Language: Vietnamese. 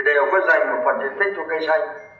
đều phải dành một phần diện tích cho cây xanh